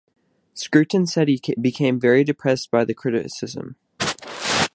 Scruton said he became very depressed by the criticism.